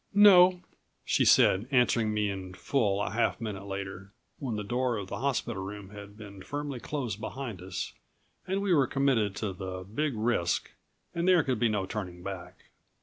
"No," she said, answering me in full a half minute later, when the door of the hospital room had been firmly closed behind us and we were committed to the big risk and there could be no turning back.